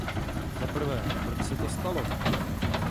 Za prvé, proč se to stalo?